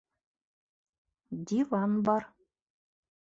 Диван бар